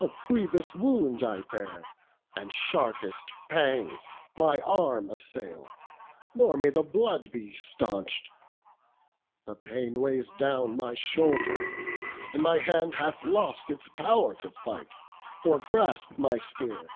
A grievous wound I bear, and sharpest pangs My arm assail, nor may the blood he stanch'd: The pain weighs down my shoulder; and my hand Hath lost its pow'r to fight, or grasp my spear.